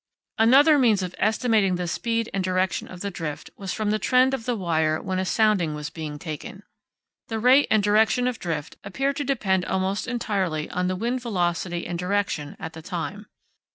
Another means of estimating the speed and direction of the drift was from the trend of the wire when a sounding was being taken. The rate and direction of drift appeared to depend almost entirely on the wind velocity and direction at the time.